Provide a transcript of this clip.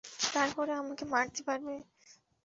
তারপরে আমাকে মারতে পারবে।